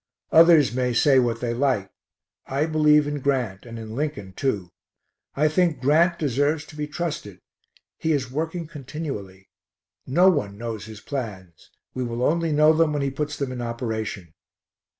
Others may say what they like, I believe in Grant and in Lincoln, too. I think Grant deserves to be trusted. He is working continually. No one knows his plans; we will only know them when he puts them in operation.